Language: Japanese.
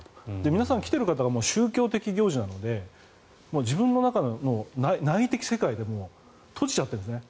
皆さん来ている方は宗教的行事なので自分の中の内的世界に閉じちゃってるんですね。